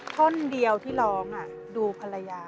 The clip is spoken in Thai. ท่อนเดียวที่ร้องดูภรรยา